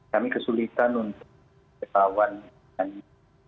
kami kesulitan untuk ketahuan yang ini